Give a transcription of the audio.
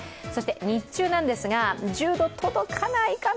日中なんですが、１０度届かないかな